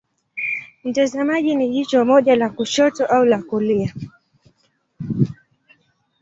Mtazamaji ni jicho moja la kushoto au la kulia.